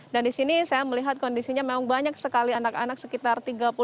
di sini saya melihat kondisinya memang banyak sekali anak anak sekitar tiga puluh